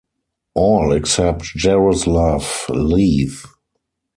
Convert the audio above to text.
All except Jaroslav leave.